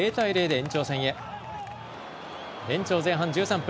延長前半１３分。